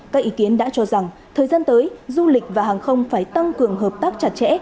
các ý kiến đã cho rằng thời gian tới du lịch và hàng không phải tăng cường hợp tác chặt chẽ